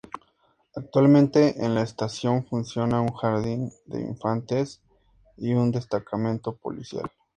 Actualmente en la estación funciona un Jardín de Infantes y un destacamento policial.